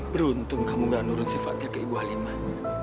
beruntung kamu nggak nurun sifatnya ke ibu halimah